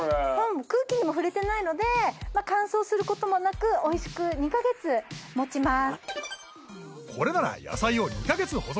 空気にも触れてないので乾燥することもなくおいしく２カ月持ちます